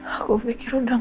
aku pikir udah